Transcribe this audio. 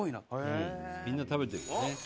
みんな食べてるんだね。